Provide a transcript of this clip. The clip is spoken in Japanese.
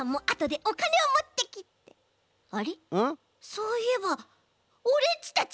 そういえばオレっちたち